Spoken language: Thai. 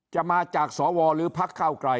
จะมาจากสวรรค์หรือพระเก้าไกรหรือพระเก้าไกร